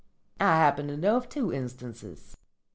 I happen to know of two instances.